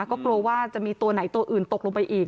ก็กลัวว่าจะมีตัวไหนตัวอื่นตกลงไปอีก